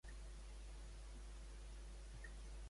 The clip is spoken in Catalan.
Qui compartia la mateixa egua?